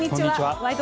「ワイド！